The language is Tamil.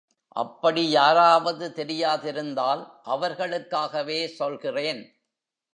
அப்படி யாராவது தெரியாதிருந்தால் அவர்களுக்காகவே சொல்கிறேன்.